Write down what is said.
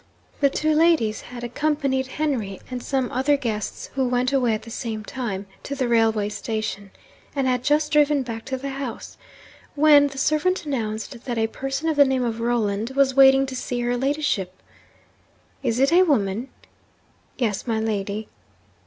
The two ladies had accompanied Henry, and some other guests who went away at the same time, to the railway station, and had just driven back to the house, when the servant announced that 'a person of the name of Rolland was waiting to see her ladyship.' 'Is it a woman?' 'Yes, my lady.'